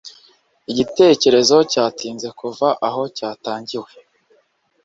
igitekerezo cyatinze kuva aho cyatangiwe